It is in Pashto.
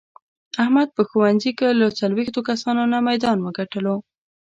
احمد په ښوونځې کې له څلوېښتو کسانو نه میدان و ګټلو.